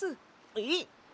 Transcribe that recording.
えっ？